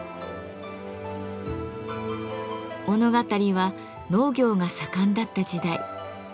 物語は農業が盛んだった時代。